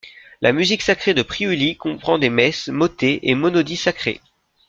La musique sacrée de Priuli comprend des messes, motets et monodies sacrées.